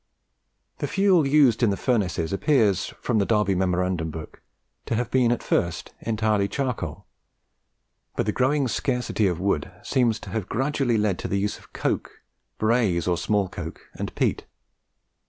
The fuel used in the furnaces appears, from the Darby Memorandum Book, to have been at first entirely charcoal; but the growing scarcity of wood seems to have gradually led to the use of coke, brays or small coke, and peat.